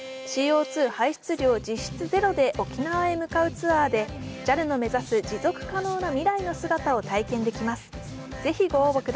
ＣＯ２排出量実質ゼロで沖縄へ向かうツアーでＪＡＬの目指す持続可能な未来の姿を体験できます。